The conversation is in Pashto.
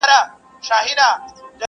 خلاصول يې خپل ځانونه اولادونه!.